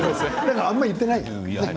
あんまり言ってない。